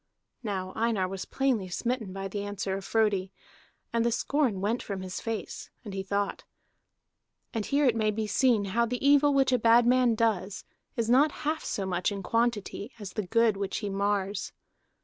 Now Einar was plainly smitten by the answer of Frodi, and the scorn went from his face, and he thought. And here may be seen how the evil which a bad man does is not half so much in quantity as the good which he mars.